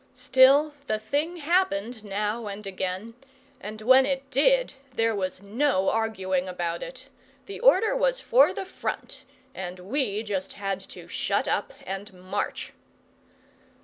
Still, the thing happened, now and again; and when it did, there was no arguing about it. The order was for the front, and we just had to shut up and march.